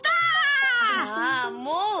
ああもう！